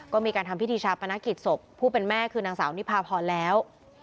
ก็มีการทำพิธีชาปนกิจศพผู้เป็นแม่คือนางสาวนิพาพรแล้ว